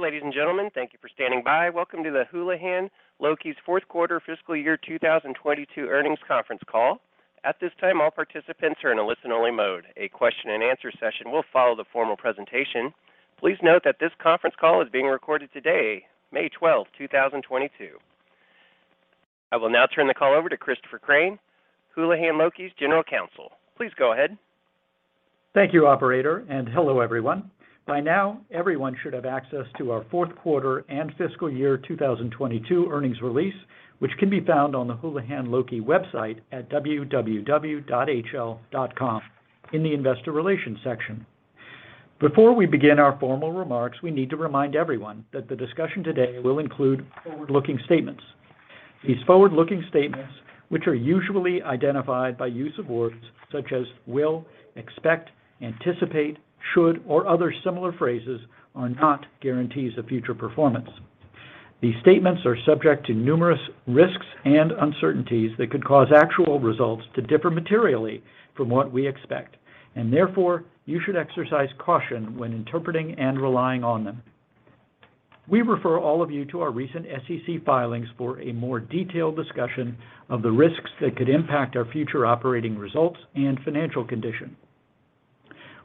Ladies and gentlemen, thank you for standing by. Welcome to the Houlihan Lokey's fourth quarter fiscal year 2022 earnings conference call. At this time, all participants are in a listen-only mode. A question and answer session will follow the formal presentation. Please note that this conference call is being recorded today, May 12, 2022. I will now turn the call over to Christopher Crain, Houlihan Lokey's General Counsel. Please go ahead. Thank you, operator, and hello, everyone. By now, everyone should have access to our fourth quarter and fiscal year 2022 earnings release, which can be found on the Houlihan Lokey website at www.hl.com in the investor relations section. Before we begin our formal remarks, we need to remind everyone that the discussion today will include forward-looking statements. These forward-looking statements, which are usually identified by use of words such as will, expect, anticipate, should, or other similar phrases, are not guarantees of future performance. These statements are subject to numerous risks and uncertainties that could cause actual results to differ materially from what we expect, and therefore, you should exercise caution when interpreting and relying on them. We refer all of you to our recent SEC filings for a more detailed discussion of the risks that could impact our future operating results and financial condition.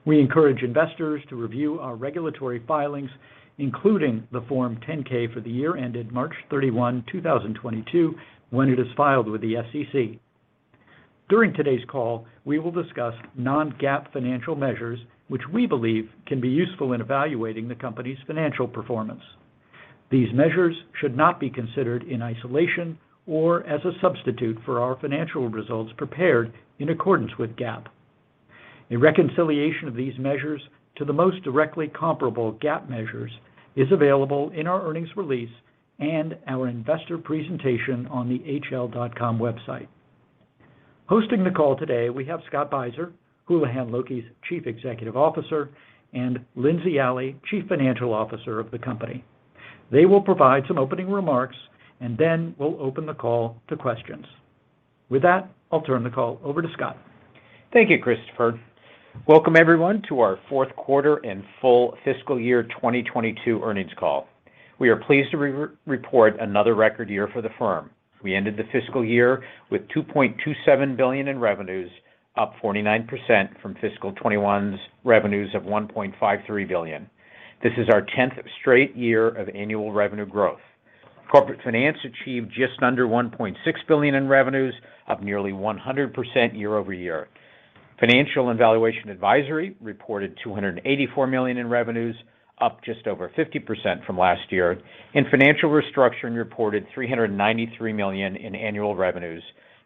We encourage investors to review our regulatory filings, including the Form 10-K for the year ended March 31, 2022, when it is filed with the SEC. During today's call, we will discuss non-GAAP financial measures, which we believe can be useful in evaluating the company's financial performance. These measures should not be considered in isolation or as a substitute for our financial results prepared in accordance with GAAP. A reconciliation of these measures to the most directly comparable GAAP measures is available in our earnings release and our investor presentation on the hl.com website. Hosting the call today, we have Scott Beiser, Houlihan Lokey's Chief Executive Officer, and Lindsey Alley, Chief Financial Officer of the company. They will provide some opening remarks, and then we'll open the call to questions. With that, I'll turn the call over to Scott. Thank you, Christopher. Welcome, everyone, to our fourth quarter and full fiscal year 2022 earnings call. We are pleased to report another record year for the firm. We ended the fiscal year with $2.27 billion in revenues, up 49% from fiscal 2021's revenues of $1.53 billion. This is our 10th straight year of annual revenue growth. Corporate Finance achieved just under $1.6 billion in revenues, up nearly 100% year-over-year. Financial and Valuation Advisory reported $284 million in revenues, up just over 50% from last year. Financial Restructuring reported $393 million in annual revenues,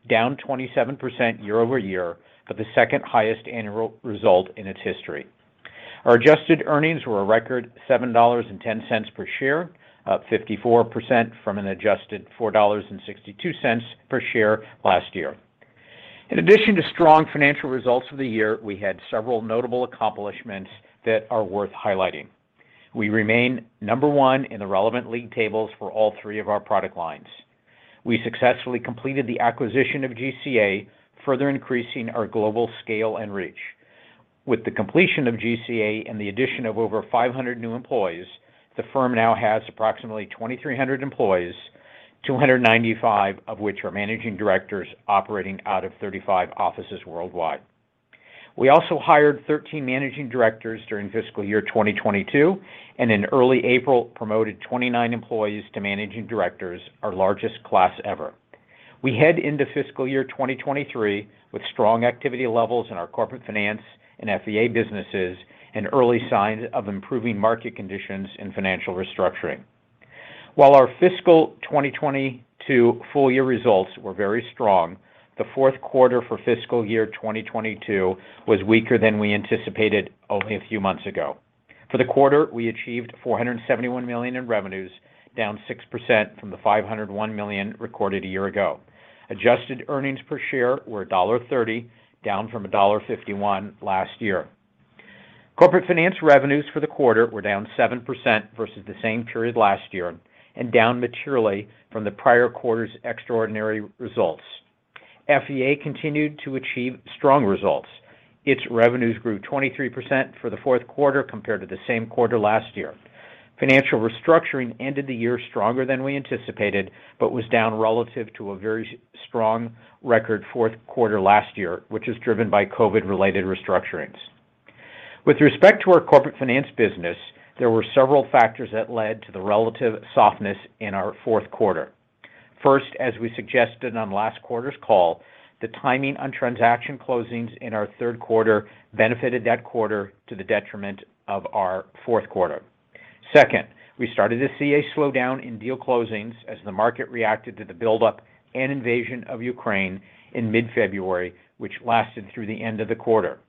down 27% year-over-year of the second highest annual result in its history. Our adjusted earnings were a record $7.10 per share, up 54% from an adjusted $4.62 per share last year. In addition to strong financial results for the year, we had several notable accomplishments that are worth highlighting. We remain number one in the relevant league tables for all three of our product lines. We successfully completed the acquisition of GCA, further increasing our global scale and reach. With the completion of GCA and the addition of over 500 new employees, the firm now has approximately 2,300 employees, 295 of which are managing directors operating out of 35 offices worldwide. We also hired 13 managing directors during fiscal year 2022, and in early April promoted 29 employees to managing directors, our largest class ever. We head into fiscal year 2023 with strong activity levels in our Corporate Finance and FVA businesses and early signs of improving market conditions in Financial Restructuring. While our fiscal 2022 full year results were very strong, the fourth quarter for fiscal year 2022 was weaker than we anticipated only a few months ago. For the quarter, we achieved $471 million in revenues, down 6% from the $501 million recorded a year ago. Adjusted earnings per share were $1.30, down from $1.51 last year. Corporate Finance revenues for the quarter were down 7% versus the same period last year and down materially from the prior quarter's extraordinary results. FVA continued to achieve strong results. Its revenues grew 23% for the fourth quarter compared to the same quarter last year. Financial Restructuring ended the year stronger than we anticipated, but was down relative to a very strong record fourth quarter last year, which is driven by COVID-related restructurings. With respect to our Corporate Finance business, there were several factors that led to the relative softness in our fourth quarter. First, as we suggested on last quarter's call, the timing on transaction closings in our third quarter benefited that quarter to the detriment of our fourth quarter. Second, we started to see a slowdown in deal closings as the market reacted to the buildup and invasion of Ukraine in mid-February, which lasted through the end of the quarter.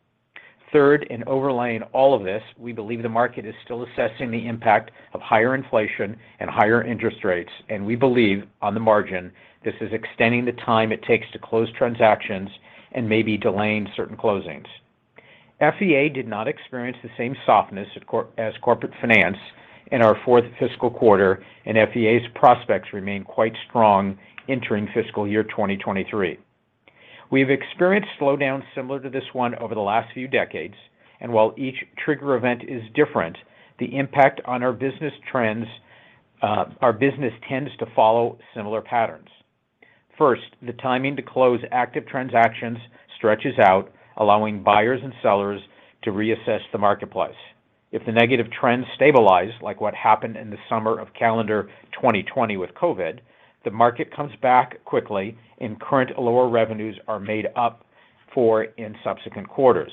Third, and overlaying all of this, we believe the market is still assessing the impact of higher inflation and higher interest rates and we believe, on the margin, this is extending the time it takes to close transactions and maybe delaying certain closings. FVA did not experience the same softness as corporate finance in our fourth fiscal quarter, and FVA's prospects remain quite strong entering fiscal year 2023. We have experienced slowdowns similar to this one over the last few decades, and while each trigger event is different, the impact on our business trends, our business tends to follow similar patterns. First, the timing to close active transactions stretches out, allowing buyers and sellers to reassess the marketplace. If the negative trends stabilize, like what happened in the summer of calendar 2020 with COVID, the market comes back quickly and current lower revenues are made up for in subsequent quarters.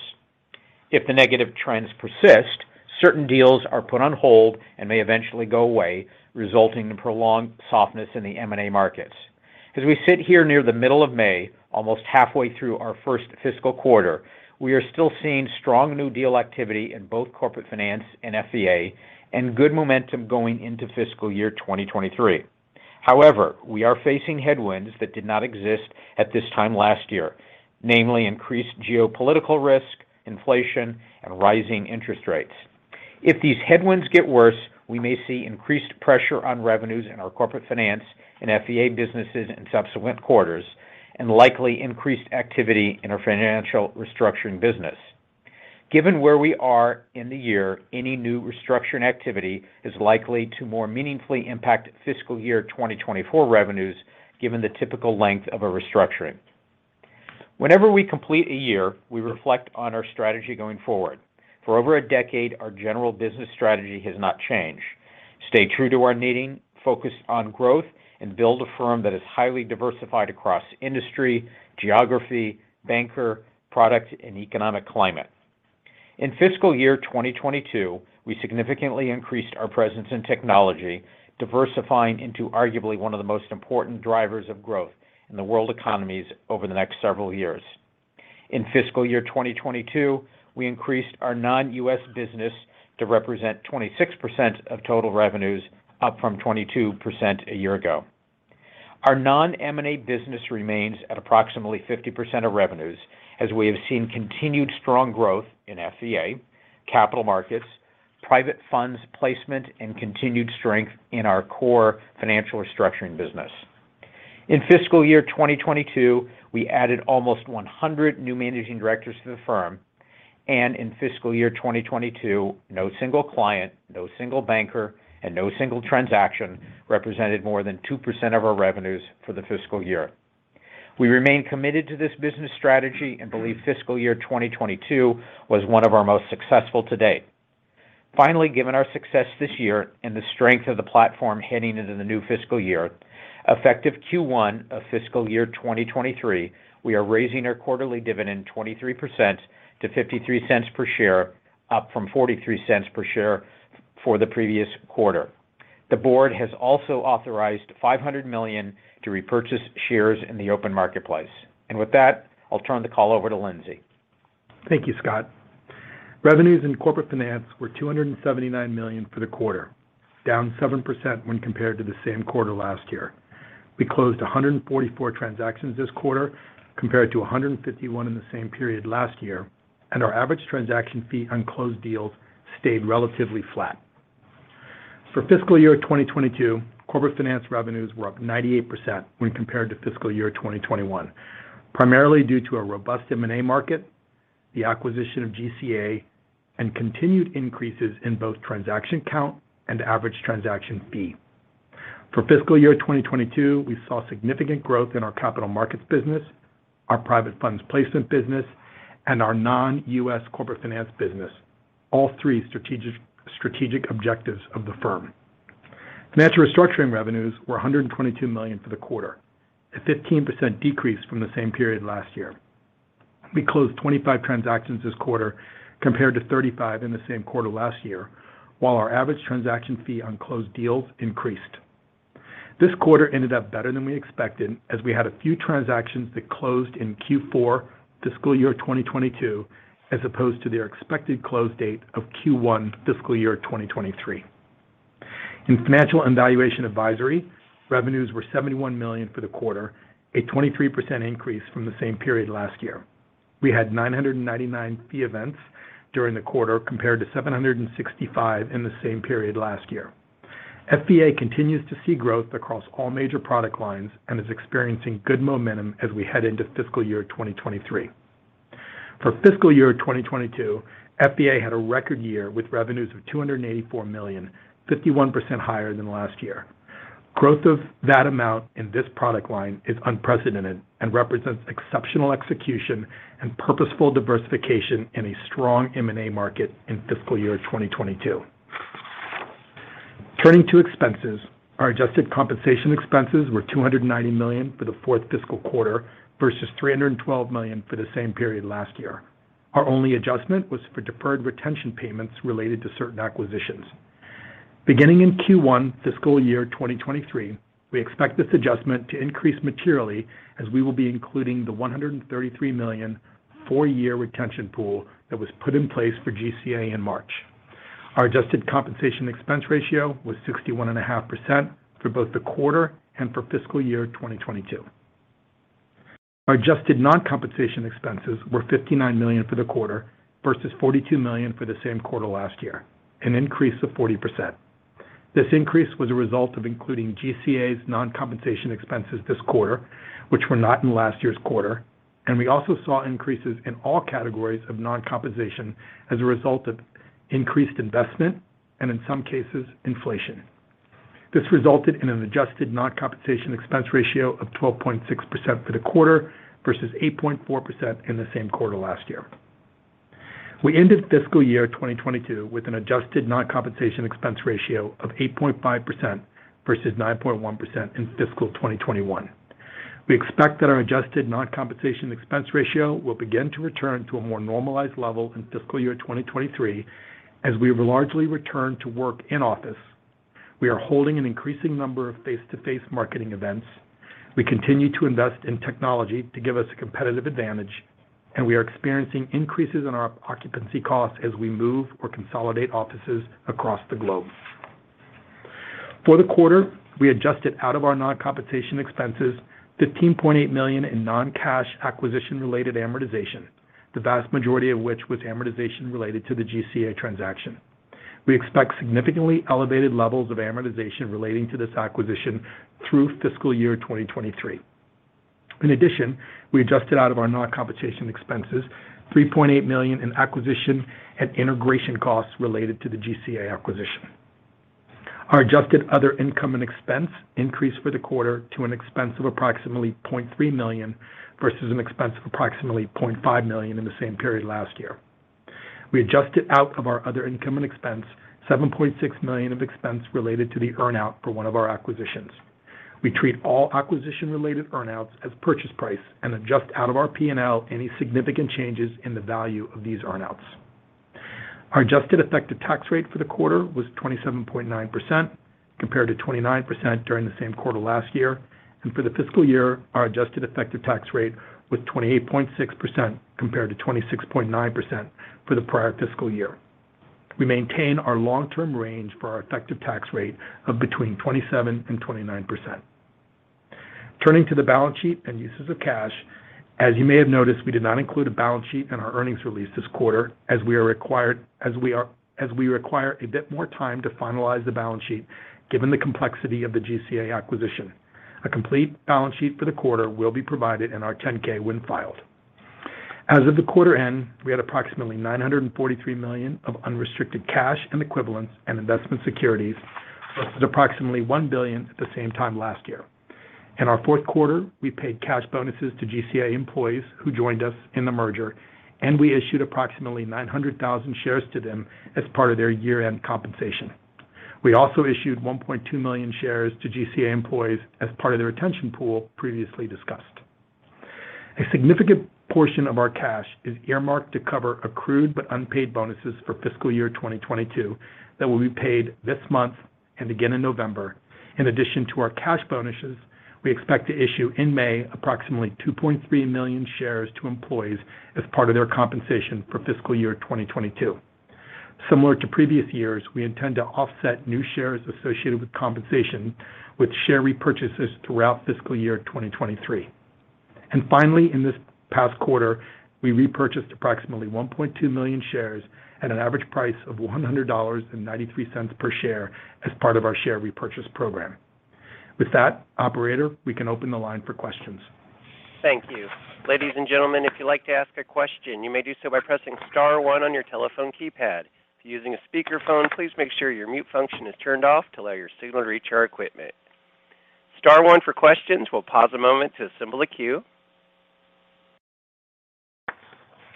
If the negative trends persist, certain deals are put on hold and may eventually go away, resulting in prolonged softness in the M&A markets. As we sit here near the middle of May, almost halfway through our first fiscal quarter, we are still seeing strong new deal activity in both Corporate Finance and FVA and good momentum going into fiscal year 2023. However, we are facing headwinds that did not exist at this time last year, namely increased geopolitical risk, inflation, and rising interest rates. If these headwinds get worse, we may see increased pressure on revenues in our Corporate Finance and FVA businesses in subsequent quarters and likely increased activity in our Financial Restructuring business. Given where we are in the year, any new restructuring activity is likely to more meaningfully impact fiscal year 2024 revenues given the typical length of a restructuring. Whenever we complete a year, we reflect on our strategy going forward. For over a decade, our general business strategy has not changed. Stay true to our Knitting focus on growth, and build a firm that is highly diversified across industry, geography, banker, product, and economic climate. In fiscal year 2022, we significantly increased our presence in technology, diversifying into arguably one of the most important drivers of growth in the world economies over the next several years. In fiscal year 2022, we increased our non-US business to represent 26% of total revenues, up from 22% a year ago. Our non-M&A business remains at approximately 50% of revenues as we have seen continued strong growth in FVA, capital markets, private funds placement, and continued strength in our core financial restructuring business. In fiscal year 2022, we added almost 100 new managing directors to the firm, and in fiscal year 2022, no single client, no single banker, and no single transaction represented more than 2% of our revenues for the fiscal year. We remain committed to this business strategy and believe fiscal year 2022 was one of our most successful to date. Finally, given our success this year and the strength of the platform heading into the new fiscal year, effective Q1 of fiscal year 2023, we are raising our quarterly dividend 23% to $0.53 per share, up from $0.43 per share for the previous quarter. The board has also authorized $500 million to repurchase shares in the open marketplace. With that, I'll turn the call over to Lindsey. Thank you, Scott. Revenues in Corporate Finance were $279 million for the quarter, down 7% when compared to the same quarter last year. We closed 144 transactions this quarter compared to 151 in the same period last year, and our average transaction fee on closed deals stayed relatively flat. For fiscal year 2022, Corporate Finance revenues were up 98% when compared to fiscal year 2021, primarily due to a robust M&A market, the acquisition of GCA, and continued increases in both transaction count and average transaction fee. For fiscal year 2022, we saw significant growth in our capital markets business, our private funds placement business, and our non-U.S. Corporate Finance business, all three strategic objectives of the firm. Financial Restructuring revenues were $122 million for the quarter, a 15% decrease from the same period last year. We closed 25 transactions this quarter compared to 35 in the same quarter last year, while our average transaction fee on closed deals increased. This quarter ended up better than we expected as we had a few transactions that closed in Q4 fiscal year 2022 as opposed to their expected close date of Q1 fiscal year 2023. In Financial and Valuation Advisory, revenues were $71 million for the quarter, a 23% increase from the same period last year. We had 999 fee events during the quarter compared to 765 in the same period last year. FVA continues to see growth across all major product lines and is experiencing good momentum as we head into fiscal year 2023. For fiscal year 2022, FVA had a record year with revenues of $284 million, 51% higher than last year. Growth of that amount in this product line is unprecedented and represents exceptional execution and purposeful diversification in a strong M&A market in fiscal year 2022. Turning to expenses, our adjusted compensation expenses were $290 million for the fourth fiscal quarter versus $312 million for the same period last year. Our only adjustment was for deferred retention payments related to certain acquisitions. Beginning in Q1 fiscal year 2023, we expect this adjustment to increase materially as we will be including the $133 million 4-year retention pool that was put in place for GCA in March. Our adjusted compensation expense ratio was 61.5% for both the quarter and for fiscal year 2022. Our adjusted non-compensation expenses were $59 million for the quarter versus $42 million for the same quarter last year, an increase of 40%. This increase was a result of including GCA's non-compensation expenses this quarter, which were not in last year's quarter, and we also saw increases in all categories of non-compensation as a result of increased investment and in some cases, inflation. This resulted in an adjusted non-compensation expense ratio of 12.6% for the quarter versus 8.4% in the same quarter last year. We ended fiscal year 2022 with an adjusted non-compensation expense ratio of 8.5% versus 9.1% in fiscal 2021. We expect that our adjusted non-compensation expense ratio will begin to return to a more normalized level in fiscal year 2023, as we have largely returned to work in office. We are holding an increasing number of face-to-face marketing events. We continue to invest in technology to give us a competitive advantage, and we are experiencing increases in our occupancy costs as we move or consolidate offices across the globe. For the quarter, we adjusted out of our non-compensation expenses $15.8 million in non-cash acquisition-related amortization, the vast majority of which was amortization related to the GCA transaction. We expect significantly elevated levels of amortization relating to this acquisition through fiscal year 2023. In addition, we adjusted out of our non-compensation expenses $3.8 million in acquisition and integration costs related to the GCA acquisition. Our adjusted other income and expense increased for the quarter to an expense of approximately $0.3 million versus an expense of approximately $0.5 million in the same period last year. We adjusted out of our other income and expense $7.6 million of expense related to the earn-out for one of our acquisitions. We treat all acquisition-related earn-outs as purchase price and adjust out of our P&L any significant changes in the value of these earn-outs. Our adjusted effective tax rate for the quarter was 27.9% compared to 29% during the same quarter last year. For the fiscal year, our adjusted effective tax rate was 28.6% compared to 26.9% for the prior fiscal year. We maintain our long-term range for our effective tax rate of between 27%-29%. Turning to the balance sheet and uses of cash, as you may have noticed, we did not include a balance sheet in our earnings release this quarter as we require a bit more time to finalize the balance sheet given the complexity of the GCA acquisition. A complete balance sheet for the quarter will be provided in our 10-K when filed. As of the quarter end, we had approximately $943 million of unrestricted cash and equivalents and investment securities versus approximately $1 billion at the same time last year. In our fourth quarter, we paid cash bonuses to GCA employees who joined us in the merger, and we issued approximately 900,000 shares to them as part of their year-end compensation. We also issued 1.2 million shares to GCA employees as part of their retention pool previously discussed. A significant portion of our cash is earmarked to cover accrued but unpaid bonuses for fiscal year 2022 that will be paid this month and again in November. In addition to our cash bonuses, we expect to issue in May approximately 2.3 million shares to employees as part of their compensation for fiscal year 2022. Similar to previous years, we intend to offset new shares associated with compensation with share repurchases throughout fiscal year 2023. Finally, in this past quarter, we repurchased approximately 1.2 million shares at an average price of $100.93 per share as part of our share repurchase program. With that, operator, we can open the line for questions. Thank you. Ladies and gentlemen, if you'd like to ask a question, you may do so by pressing star one on your telephone keypad. If you're using a speakerphone, please make sure your mute function is turned off to allow your signal to reach our equipment. Star one for questions. We'll pause a moment to assemble a queue.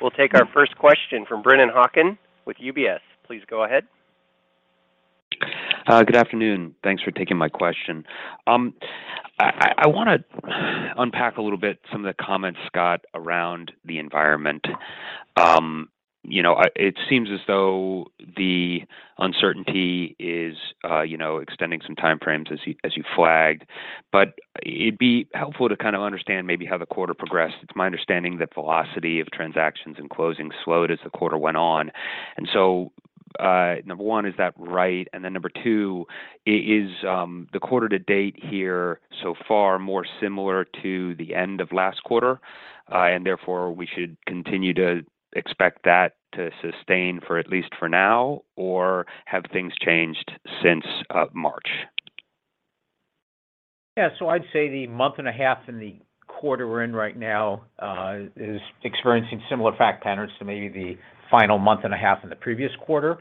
We'll take our first question from Brennan Hawken with UBS. Please go ahead. Good afternoon. Thanks for taking my question. I wanna unpack a little bit some of the comments, Scott, around the environment. You know, it seems as though the uncertainty is, you know, extending some time frames as you flagged. It'd be helpful to kind of understand maybe how the quarter progressed. It's my understanding that velocity of transactions and closings slowed as the quarter went on. Number one, is that right? Number two, is the quarter to date here so far more similar to the end of last quarter, and therefore we should continue to expect that to sustain for at least for now? Or have things changed since March? Yeah. I'd say the month and a half in the quarter we're in right now is experiencing similar fact patterns to maybe the final month and a half in the previous quarter.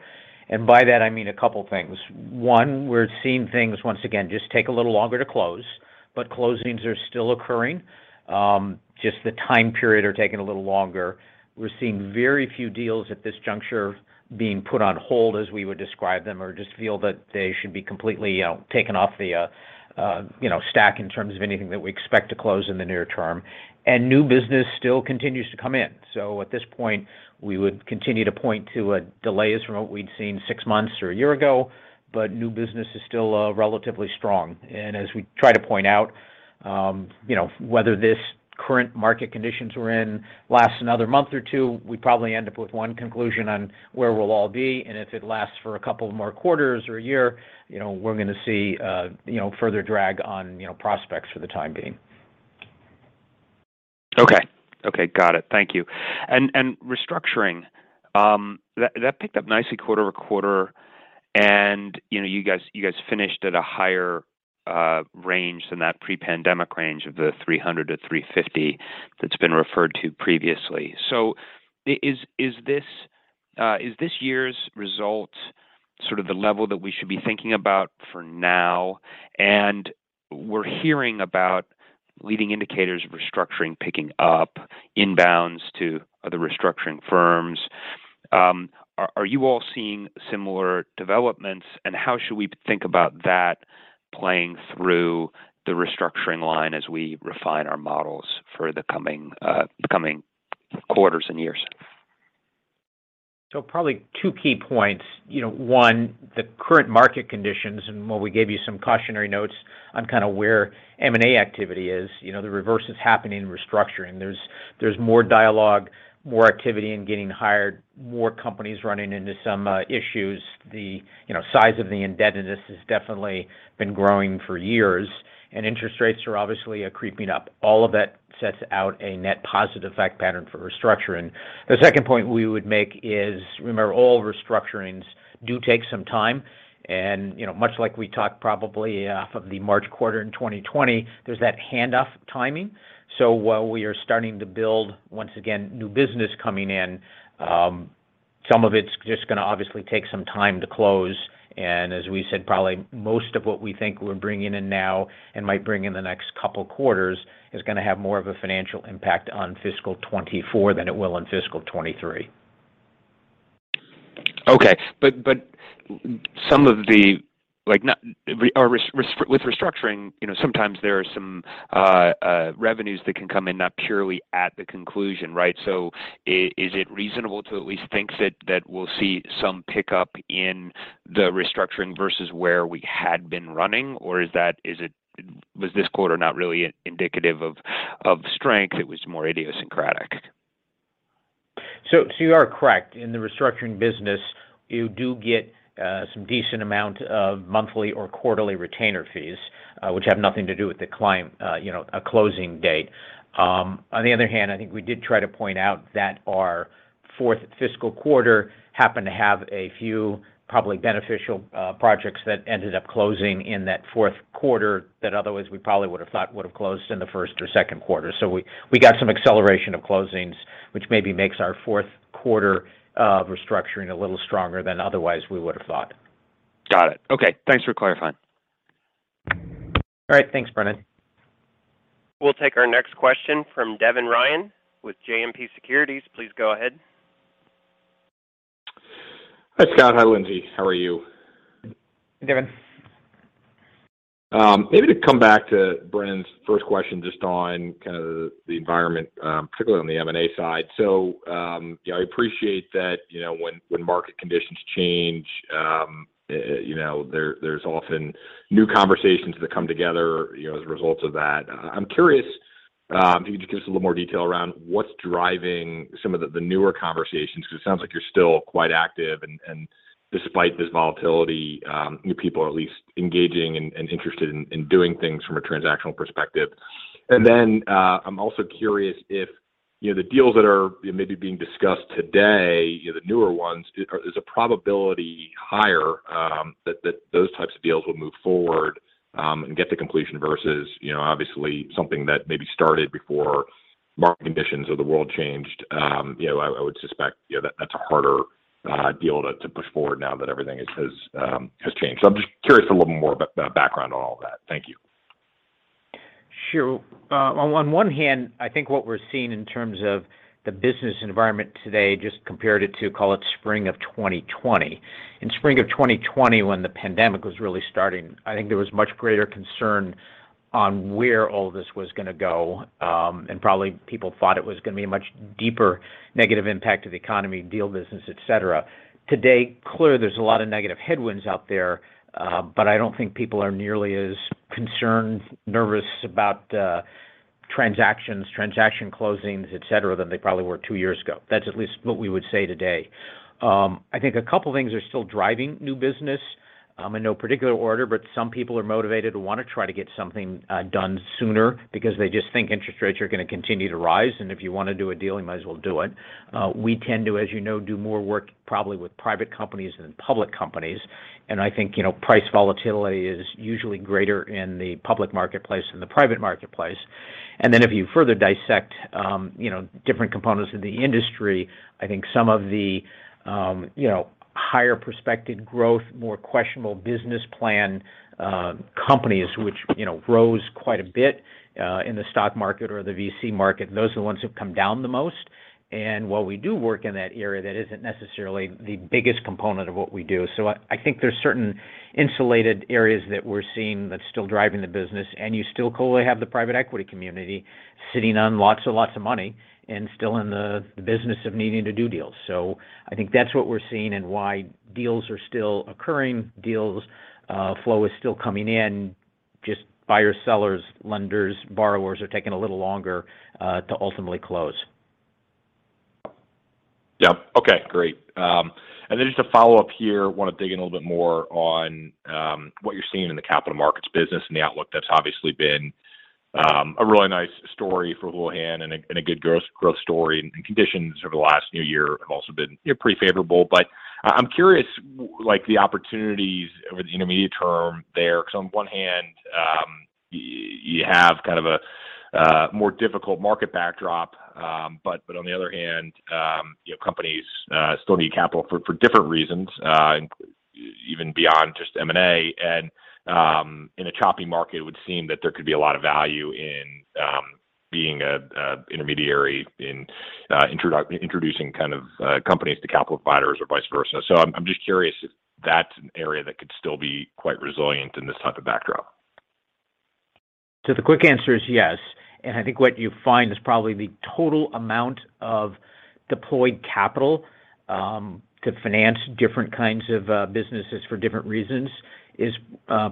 By that, I mean a couple things. One, we're seeing things once again just take a little longer to close, but closings are still occurring. Just the time period are taking a little longer. We're seeing very few deals at this juncture being put on hold, as we would describe them, or just feel that they should be completely, you know, taken off the, you know, stack in terms of anything that we expect to close in the near term. New business still continues to come in. At this point, we would continue to point to delays from what we'd seen six months or a year ago, but new business is still relatively strong. As we try to point out, you know, whether this current market conditions we're in lasts another month or two, we'd probably end up with one conclusion on where we'll all be, and if it lasts for a couple more quarters or a year, you know, we're gonna see further drag on, you know, prospects for the time being. Okay, got it. Thank you. Restructuring that picked up nicely quarter-over-quarter and, you know, you guys finished at a higher range than that pre-pandemic range of the $300-$350 that's been referred to previously. Is this year's result sort of the level that we should be thinking about for now? We're hearing about leading indicators of restructuring picking up, inbounds to other restructuring firms. Are you all seeing similar developments and how should we think about that playing through the restructuring line as we refine our models for the coming quarters and years? Probably two key points. You know, one, the current market conditions and while we gave you some cautionary notes on kind of where M&A activity is, you know, the reverse is happening in restructuring. There's more dialogue, more activity in getting hired, more companies running into some issues. The size of the indebtedness has definitely been growing for years, and interest rates are obviously creeping up. All of that sets out a net positive effect pattern for restructuring. The second point we would make is, remember, all restructurings do take some time and, you know, much like we talked probably of the March quarter in 2020, there's that handoff timing. While we are starting to build, once again, new business coming in, some of it's just gonna obviously take some time to close, and as we said, probably most of what we think we're bringing in now and might bring in the next couple quarters is gonna have more of a financial impact on fiscal 2024 than it will on fiscal 2023. Okay. Some of the, like, not restructuring, you know, sometimes there are some revenues that can come in not purely at the conclusion, right? Is it reasonable to at least think that we'll see some pickup in the restructuring versus where we had been running, or was this quarter not really indicative of strength, it was more idiosyncratic? You are correct. In the restructuring business, you do get some decent amount of monthly or quarterly retainer fees, which have nothing to do with the client, you know, a closing date. On the other hand, I think we did try to point out that our fourth fiscal quarter happened to have a few probably beneficial projects that ended up closing in that fourth quarter that otherwise we probably would have thought would have closed in the first or second quarter. We got some acceleration of closings, which maybe makes our fourth quarter of restructuring a little stronger than otherwise we would have thought. Got it. Okay. Thanks for clarifying. All right. Thanks, Brennan. We'll take our next question from Devin Ryan with JMP Securities. Please go ahead. Hi, Scott. Hi, Lindsey. How are you? Hey, Devin. Maybe to come back to Brennan's first question just on kind of the environment, particularly on the M&A side. You know, I appreciate that, you know, when market conditions change, you know, there's often new conversations that come together, you know, as a result of that. I'm curious, if you could give us a little more detail around what's driving some of the newer conversations, because it sounds like you're still quite active and despite this volatility, new people are at least engaging and interested in doing things from a transactional perspective. I'm also curious if, you know, the deals that are maybe being discussed today, you know, the newer ones, is the probability higher, that those types of deals will move forward, and get to completion versus, you know, obviously something that maybe started before market conditions of the world changed. You know, I would suspect, you know, that that's a harder deal to push forward now that everything has changed. I'm just curious a little more about the background on all of that. Thank you. Sure. On one hand, I think what we're seeing in terms of the business environment today just compared it to, call it spring of 2020. In spring of 2020 when the pandemic was really starting, I think there was much greater concern on where all this was gonna go, and probably people thought it was gonna be a much deeper negative impact to the economy, deal business, et cetera. Today, clearly there's a lot of negative headwinds out there, but I don't think people are nearly as concerned, nervous about, transactions, transaction closings, et cetera, than they probably were two years ago. That's at least what we would say today. I think a couple things are still driving new business. In no particular order, but some people are motivated or wanna try to get something done sooner because they just think interest rates are gonna continue to rise, and if you wanna do a deal, you might as well do it. We tend to, as you know, do more work probably with private companies than public companies, and I think, you know, price volatility is usually greater in the public marketplace than the private marketplace. Then if you further dissect, you know, different components of the industry, I think some of the, you know, higher prospective growth, more questionable business plan, companies which, you know, rose quite a bit, in the stock market or the VC market, those are the ones who've come down the most. While we do work in that area, that isn't necessarily the biggest component of what we do. I think there's certain insulated areas that we're seeing that's still driving the business, and you still clearly have the private equity community sitting on lots and lots of money and still in the business of needing to do deals. I think that's what we're seeing and why deals are still occurring, deal flow is still coming in, just buyers, sellers, lenders, borrowers are taking a little longer to ultimately close. Yeah. Okay, great. Just a follow-up here. Want to dig in a little bit more on what you're seeing in the capital markets business and the outlook. That's obviously been a really nice story for Houlihan and a good growth story, and conditions over the last few years have also been, you know, pretty favorable. I'm curious, like, the opportunities over the intermediate term there, 'cause on one hand, you have kind of a more difficult market backdrop. But on the other hand, you know, companies still need capital for different reasons, even beyond just M&A. In a choppy market, it would seem that there could be a lot of value in being a intermediary in introducing kind of companies to capital providers or vice versa. I'm just curious if that's an area that could still be quite resilient in this type of backdrop. The quick answer is yes. I think what you find is probably the total amount of deployed capital to finance different kinds of businesses for different reasons is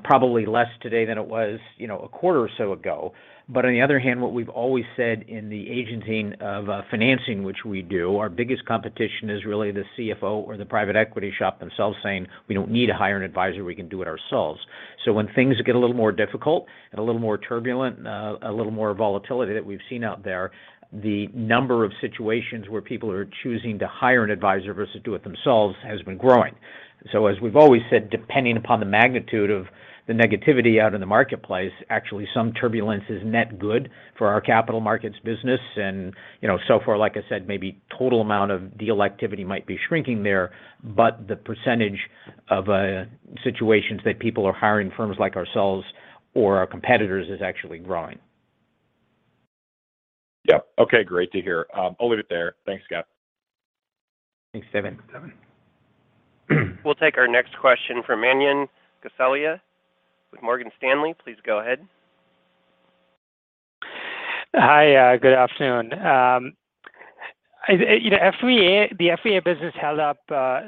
probably less today than it was, you know, a quarter or so ago. On the other hand, what we've always said in the arranging of financing, which we do, our biggest competition is really the CFO or the private equity shop themselves saying, "We don't need to hire an advisor. We can do it ourselves." When things get a little more difficult and a little more turbulent, a little more volatility that we've seen out there, the number of situations where people are choosing to hire an advisor versus do it themselves has been growing. As we've always said, depending upon the magnitude of the negativity out in the marketplace, actually, some turbulence is net good for our capital markets business. You know, so far, like I said, maybe total amount of deal activity might be shrinking there, but the percentage of situations that people are hiring firms like ourselves or our competitors is actually growing. Yeah. Okay. Great to hear. I'll leave it there. Thanks, Scott. Thanks, Christopher Crain. We'll take our next question from Manan Gosalia with Morgan Stanley. Please go ahead. Hi. Good afternoon. You know, FVA, the FVA business held up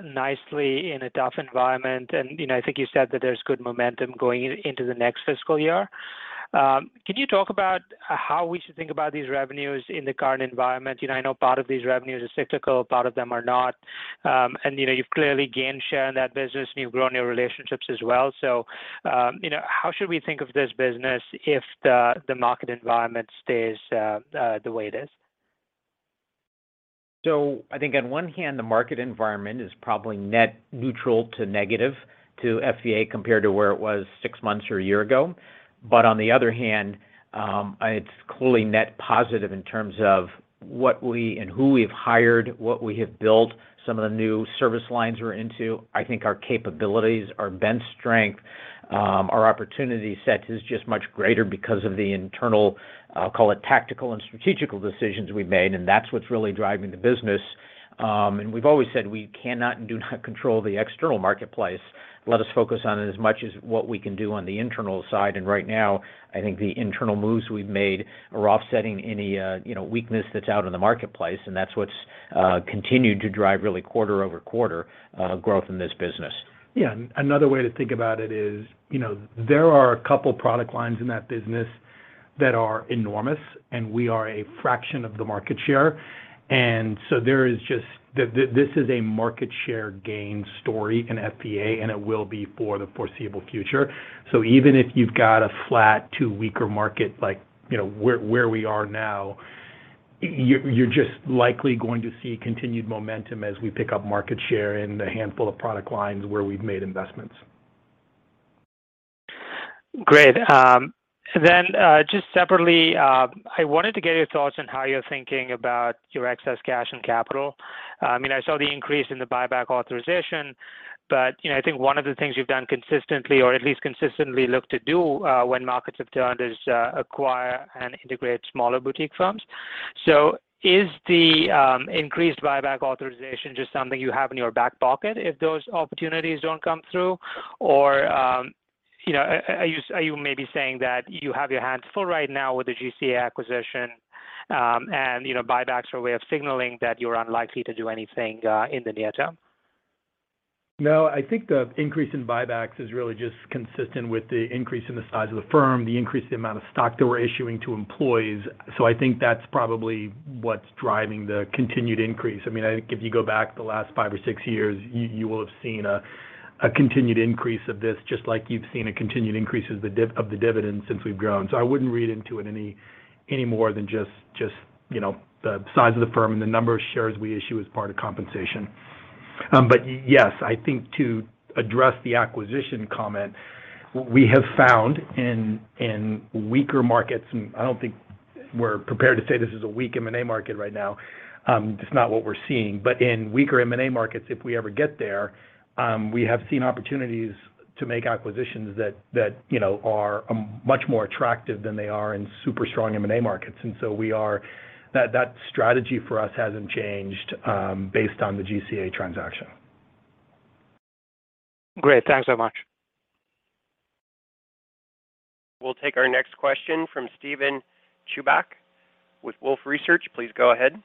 nicely in a tough environment. You know, I think you said that there's good momentum going into the next fiscal year. Can you talk about how we should think about these revenues in the current environment? You know, I know part of these revenues are cyclical, part of them are not. You know, you've clearly gained share in that business, and you've grown your relationships as well. You know, how should we think of this business if the market environment stays the way it is? I think on one hand, the market environment is probably net neutral to negative to FVA compared to where it was six months or a year ago. On the other hand, it's clearly net positive in terms of what we and who we've hired, what we have built, some of the new service lines we're into. I think our capabilities, our bench strength, our opportunity set is just much greater because of the internal, I'll call it tactical and strategic decisions we've made, and that's what's really driving the business. We've always said we cannot and do not control the external marketplace. Let us focus on it as much as what we can do on the internal side. Right now, I think the internal moves we've made are offsetting any, you know, weakness that's out in the marketplace, and that's what's continued to drive really quarter-over-quarter growth in this business. Yeah. Another way to think about it is, you know, there are a couple product lines in that business that are enormous, and we are a fraction of the market share. There is just this is a market share gain story in FVA, and it will be for the foreseeable future. Even if you've got a flat to weaker market like, you know, where we are now, you're just likely going to see continued momentum as we pick up market share in the handful of product lines where we've made investments. Great. Just separately, I wanted to get your thoughts on how you're thinking about your excess cash and capital. I mean, I saw the increase in the buyback authorization, but, you know, I think one of the things you've done consistently or at least consistently look to do, when markets have turned is, acquire and integrate smaller boutique firms. Is the increased buyback authorization just something you have in your back pocket if those opportunities don't come through? Or, you know, are you maybe saying that you have your hands full right now with the GCA acquisition, and, you know, buybacks are a way of signaling that you're unlikely to do anything, in the near term? No, I think the increase in buybacks is really just consistent with the increase in the size of the firm, the increase in the amount of stock that we're issuing to employees. I think that's probably what's driving the continued increase. I mean, I think if you go back the last five or six years, you will have seen a continued increase of this, just like you've seen a continued increase of the dividend since we've grown. I wouldn't read into it any more than just, you know, the size of the firm and the number of shares we issue as part of compensation. Yes, I think to address the acquisition comment, we have found in weaker markets, and I don't think we're prepared to say this is a weak M&A market right now, it's not what we're seeing. In weaker M&A markets, if we ever get there, we have seen opportunities to make acquisitions that, you know, are much more attractive than they are in super strong M&A markets. That strategy for us hasn't changed, based on the GCA transaction. Great. Thanks so much. We'll take our next question from Steven Chubak with Wolfe Research. Please go ahead.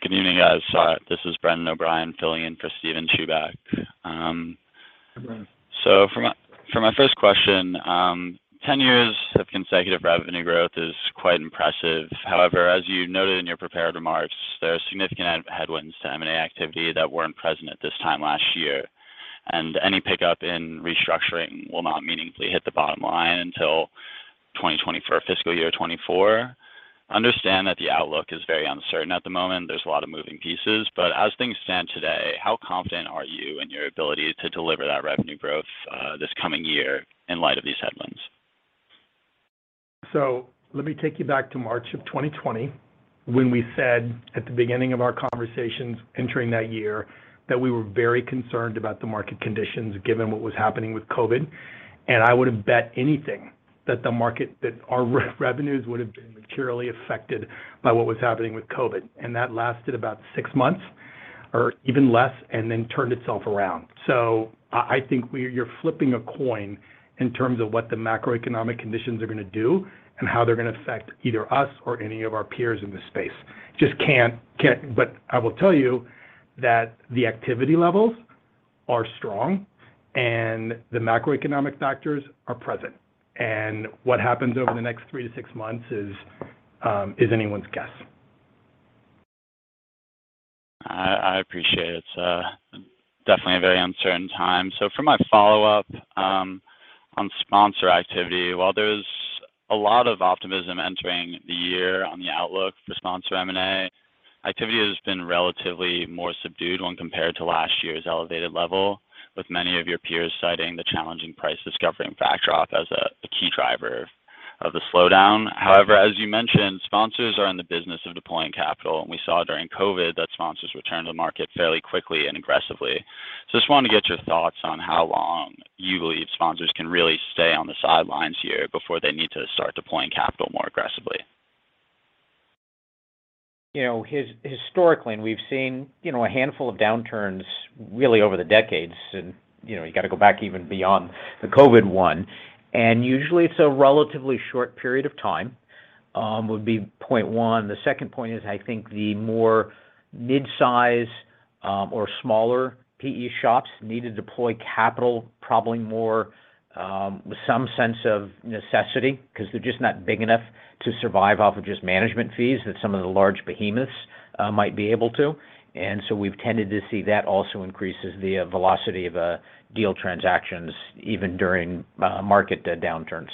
Good evening, guys. This is Brendan O'Brien filling in for Steven Chubak. For my first question, 10 years of consecutive revenue growth is quite impressive. However, as you noted in your prepared remarks, there are significant adverse headwinds to M&A activity that weren't present at this time last year. Any pickup in restructuring will not meaningfully hit the bottom line until 2024, fiscal year 2024. I understand that the outlook is very uncertain at the moment. There's a lot of moving parts. As things stand today, how confident are you in your ability to deliver that revenue growth this coming year in light of these headwinds? Let me take you back to March 2020, when we said at the beginning of our conversations entering that year that we were very concerned about the market conditions given what was happening with COVID. I would have bet anything that our revenues would have been materially affected by what was happening with COVID. That lasted about six months or even less, and then turned itself around. I think you're flipping a coin in terms of what the macroeconomic conditions are going to do and how they're going to affect either us or any of our peers in this space. Just can't. I will tell you that the activity levels are strong and the macroeconomic factors are present. What happens over the next three to six months is anyone's guess. I appreciate it. It's definitely a very uncertain time. For my follow-up on sponsor activity. While there's a lot of optimism entering the year on the outlook for sponsor M&A, activity has been relatively more subdued when compared to last year's elevated level, with many of your peers citing the challenging price discovery backdrop as a key driver of the slowdown. However, as you mentioned, sponsors are in the business of deploying capital, and we saw during COVID that sponsors returned to the market fairly quickly and aggressively. Just wanted to get your thoughts on how long you believe sponsors can really stay on the sidelines here before they need to start deploying capital more aggressively. You know, historically, and we've seen, you know, a handful of downturns really over the decades and, you know, you got to go back even beyond the COVID one. Usually it's a relatively short period of time would be point one. The second point is I think the more mid-size or smaller PE shops need to deploy capital probably more with some sense of necessity because they're just not big enough to survive off of just management fees that some of the large behemoths might be able to. We've tended to see that also increases the velocity of deal transactions even during market downturns.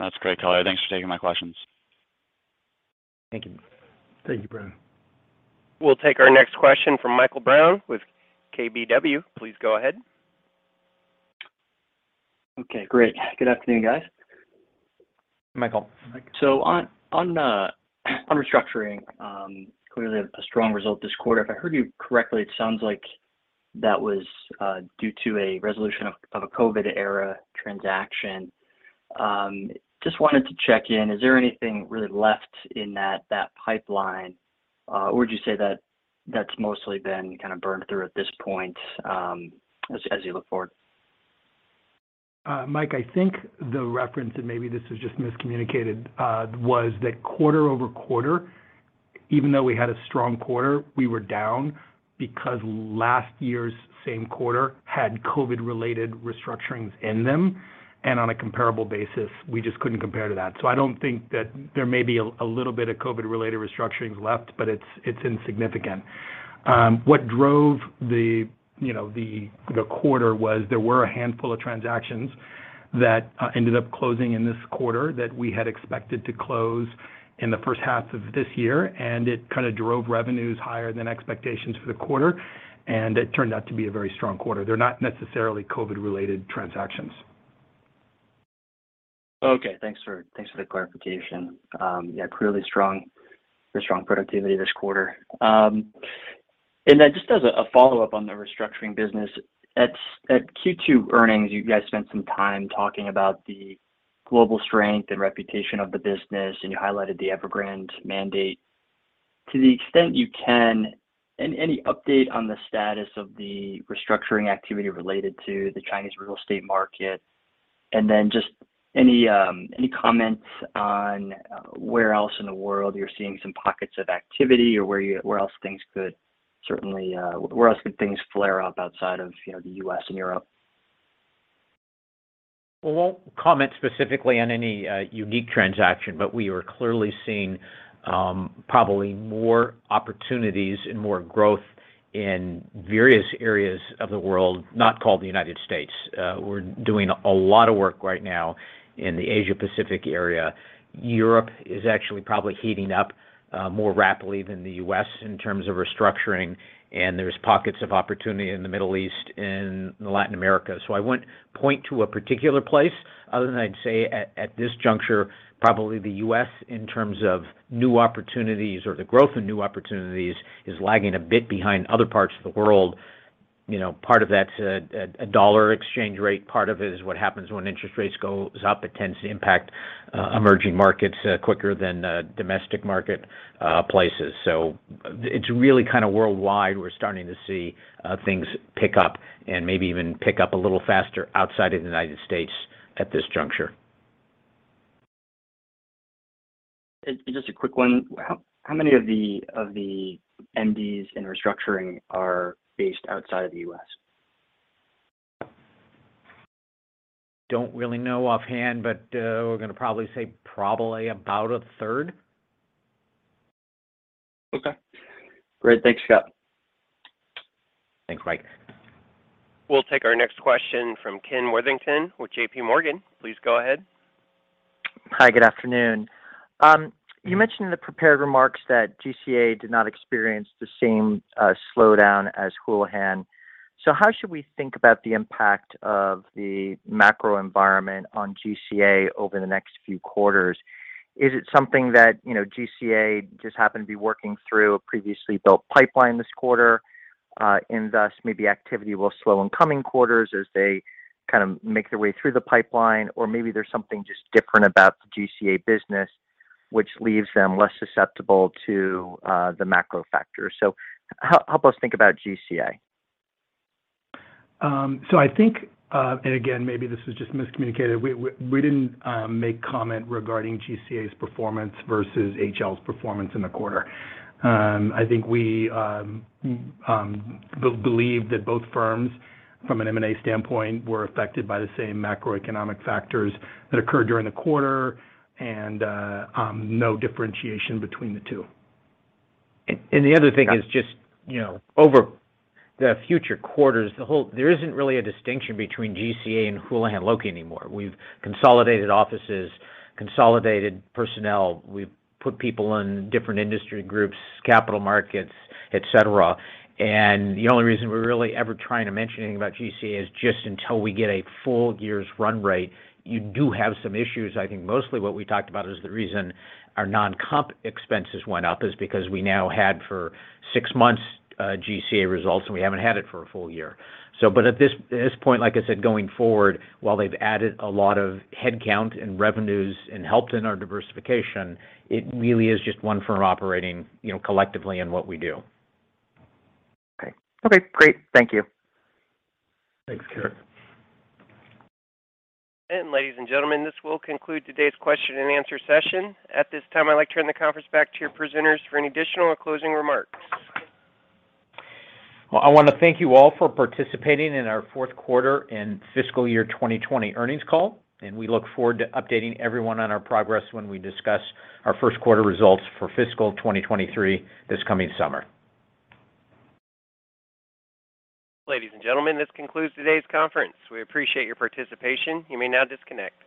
That's great, Scott Beiser. Thanks for taking my questions. Thank you. Thank you, Brennan Hawken. We'll take our next question from Michael Brown with KBW. Please go ahead. Okay, great. Good afternoon, guys. Michael. Mike. On restructuring, clearly a strong result this quarter. If I heard you correctly, it sounds like that was due to a resolution of a COVID-era transaction. Just wanted to check in, is there anything really left in that pipeline? Or would you say that that's mostly been kind of burned through at this point, as you look forward? Mike, I think the reference, and maybe this was just miscommunicated, was that quarter-over-quarter, even though we had a strong quarter, we were down because last year's same quarter had COVID-related restructurings in them. On a comparable basis, we just couldn't compare to that. I don't think that there may be a little bit of COVID-related restructurings left, but it's insignificant. What drove, you know, the quarter was there were a handful of transactions that ended up closing in this quarter that we had expected to close in the first half of this year, and it kind of drove revenues higher than expectations for the quarter, and it turned out to be a very strong quarter. They're not necessarily COVID-related transactions. Okay. Thanks for the clarification. Yeah, clearly strong productivity this quarter. Just as a follow-up on the restructuring business. At Q2 earnings, you guys spent some time talking about the global strength and reputation of the business, and you highlighted the Evergrande mandate. To the extent you can, any update on the status of the restructuring activity related to the Chinese real estate market? Just any comments on where else in the world you're seeing some pockets of activity or where else things could certainly flare up outside of, you know, the U.S. and Europe? Well, I won't comment specifically on any unique transaction, but we are clearly seeing probably more opportunities and more growth in various areas of the world not called the United States. We're doing a lot of work right now in the Asia-Pacific area. Europe is actually probably heating up more rapidly than the U.S. in terms of restructuring, and there's pockets of opportunity in the Middle East and Latin America. I wouldn't point to a particular place other than I'd say at this juncture, probably the U.S. in terms of new opportunities or the growth in new opportunities is lagging a bit behind other parts of the world. You know, part of that's a dollar exchange rate. Part of it is what happens when interest rates goes up. It tends to impact emerging markets quicker than domestic market places. It's really kind of worldwide. We're starting to see things pick up and maybe even pick up a little faster outside of the United States at this juncture. Just a quick one. How many of the MDs in restructuring are based outside of the U.S.? Don't really know offhand, but we're gonna probably say about a third. Okay. Great. Thanks, Scott. Thanks, Mike. We'll take our next question from Kenneth Worthington with J.P. Morgan. Please go ahead. Hi, good afternoon. You mentioned in the prepared remarks that GCA did not experience the same slowdown as Houlihan. How should we think about the impact of the macro environment on GCA over the next few quarters? Is it something that, you know, GCA just happened to be working through a previously built pipeline this quarter, and thus maybe activity will slow in coming quarters as they kind of make their way through the pipeline? Or maybe there's something just different about the GCA business which leaves them less susceptible to the macro factor. Help us think about GCA. I think, and again, maybe this was just miscommunicated. We didn't make comment regarding GCA's performance versus HL's performance in the quarter. I think we believe that both firms from an M&A standpoint were affected by the same macroeconomic factors that occurred during the quarter and no differentiation between the two. The other thing is just, you know, over the future quarters. There isn't really a distinction between GCA and Houlihan Lokey anymore. We've consolidated offices, consolidated personnel. We've put people in different industry groups, capital markets, et cetera. The only reason we're really ever trying to mention anything about GCA is just until we get a full year's run rate, you do have some issues. I think mostly what we talked about is the reason our non-comp expenses went up is because we now had for six months, GCA results and we haven't had it for a full year. But at this point, like I said, going forward, while they've added a lot of head count and revenues and helped in our diversification, it really is just one firm operating, you know, collectively in what we do. Okay. Okay, great. Thank you. Thanks, Ken. Ladies and gentlemen, this will conclude today's question and answer session. At this time, I'd like to turn the conference back to your presenters for any additional or closing remarks. Well, I wanna thank you all for participating in our fourth quarter and fiscal year 2020 earnings call, and we look forward to updating everyone on our progress when we discuss our first quarter results for fiscal 2023 this coming summer. Ladies and gentlemen, this concludes today's conference. We appreciate your participation. You may now disconnect.